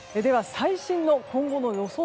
最新の今後の予想